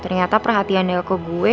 ternyata perhatiannya ke gue